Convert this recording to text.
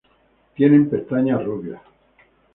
Tienen pestañas rubias.